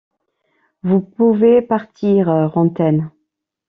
Vous pouvez partir, Rantaine.